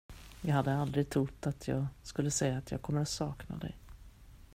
Jag hade aldrig trott att jag skulle säga att jag kommer att sakna dig.